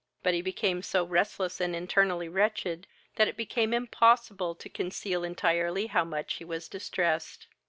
But he became so restless and internally wretched, that it became impossible to conceal entirely how much he was distressed.